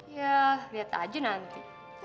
ya lihat aja nanti